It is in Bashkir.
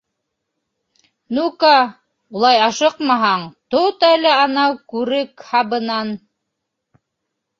Ну-ка, улай ашыҡмаһаң, тот әле анау күрек һабынан.